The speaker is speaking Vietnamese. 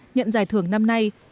nhận giải thưởng năm nay